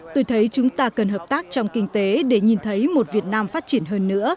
tôi thấy chúng ta cần hợp tác trong kinh tế để nhìn thấy một việt nam phát triển hơn nữa